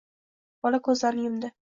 Bola koʻzlarini yumdi.